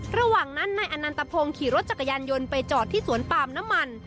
ระหว่างนั้นนายอนันตพงศ์ขี่รถจักรยานยนต์ไปจอดที่สวนปาล์มน้ำมัน